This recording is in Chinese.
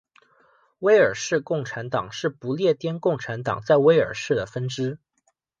威尔士共产党是不列颠共产党在威尔士的分支。